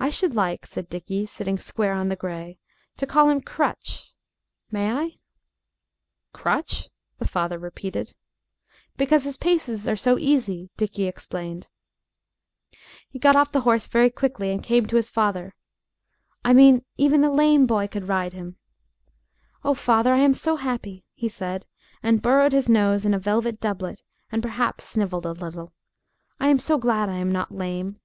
"I should like," said Dickie, sitting square on the gray, "to call him Crutch. May I?" "Crutch?" the father repeated. "Because his paces are so easy," Dickie explained. He got off the horse very quickly and came to his father. "I mean even a lame boy could ride him. Oh! father, I am so happy!" he said, and burrowed his nose in a velvet doublet, and perhaps snivelled a little. "I am so glad I am not lame."